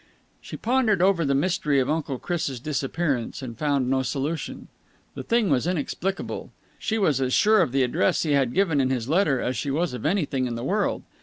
She pondered over the mystery of Uncle Chris' disappearance, and found no solution. The thing was inexplicable. She was as sure of the address he had given in his letter as she was of anything in the world.